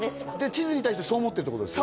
地図に対してそう思ってるってことです？